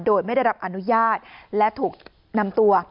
โดยไม่ได้รับอนุญาตและถูกนำตัว